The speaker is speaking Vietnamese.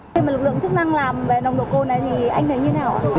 lực lượng chức năng làm về nồng độ côn này thì anh thấy như thế nào